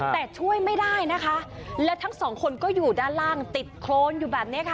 แต่ช่วยไม่ได้นะคะแล้วทั้งสองคนก็อยู่ด้านล่างติดโครนอยู่แบบนี้ค่ะ